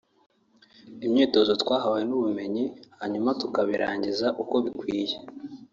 imyitozo twahawe n’ ubumenyi hanyuma tukabirangiza uko bikwiye